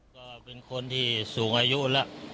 ก็เป็นคนที่สูงอายุแล้ว